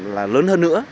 là lớn hơn nữa